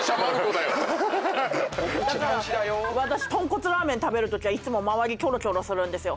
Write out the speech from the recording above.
だから私とんこつラーメン食べるときはいつも周りきょろきょろするんですよ。